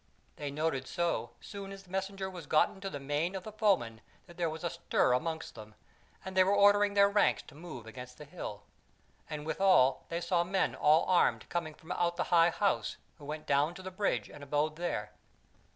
They noted so soon as the messenger was gotten to the main of the foemen that there was a stir amongst them, and they were ordering their ranks to move against the hill. And withal they saw men all armed coming from out the High House, who went down to the Bridge and abode there.